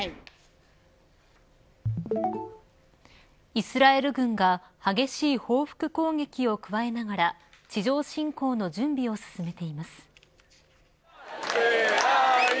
イスラエル軍が激しい報復攻撃を加えながら地上侵攻の準備を進めています。